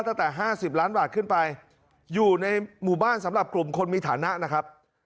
ตั้งแต่๕๐ล้านบาทขึ้นไปอยู่ในหมู่บ้านสำหรับกลุ่มคนมีฐานะนะครับ